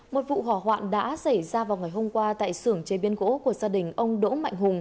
một vụ hỏa hoạn đã xảy ra vào ngày hôm qua tại xưởng chế biến gỗ của gia đình ông đỗ mạnh hùng